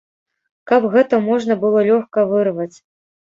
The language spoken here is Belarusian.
Каб гэта можна было лёгка вырваць.